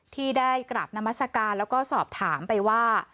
ที่ได้กราบนามัศกาลแล้วก็สอบถามไปว่า